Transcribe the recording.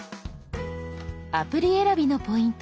アプリ選びのポイント